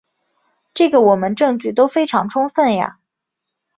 这个我们证据都非常充分呀。